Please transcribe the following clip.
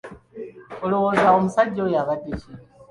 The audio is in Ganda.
Olowooza omusajja oyo abadde ki?